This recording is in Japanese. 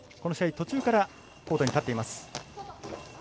途中からコートに立っています。